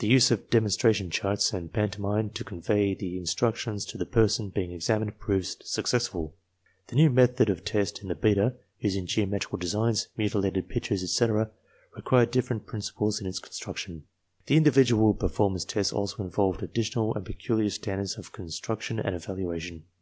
The use of demonstration charts and pantomime to convey the instructions to the persons being examined proved successful. The new type of test in the beta, using geometrical designs, mutilated pictures, etc., required different principles in its construction. The individual per formance tests also involved additional and peculiar standards of construction and evaluation.